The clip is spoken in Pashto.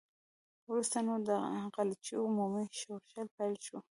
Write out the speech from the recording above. وروسته نو د غلجیو عمومي ښورښ پیل شو.